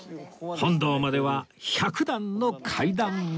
本堂までは１００段の階段が